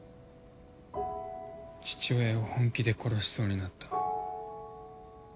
父親を本気で殺しそうになった。